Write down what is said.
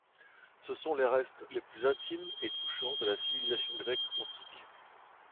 Ce sont les restes les plus intimes et touchants de la civilisation grecque antique.